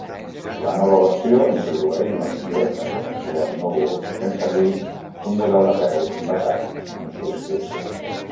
La nova versió introdueix una opció de connexió en núvol fent servir un model de preus basat en subscripció.